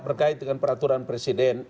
terkait dengan peraturan presiden